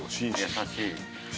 優しい。